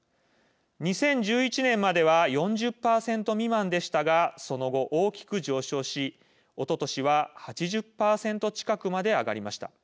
２０１１年までは４０％未満でしたがその後、大きく上昇しおととしは８０％近くまで上がりました。